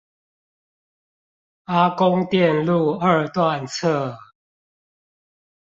阿公店路二段側